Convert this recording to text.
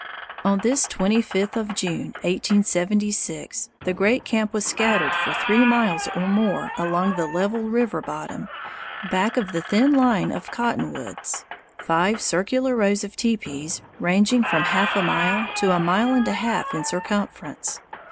On this twenty fifth of June, 1876, the great camp was scattered for three miles or more along the level river bottom, back of the thin line of cottonwoods five circular rows of teepees, ranging from half a mile to a mile and a half in circumference.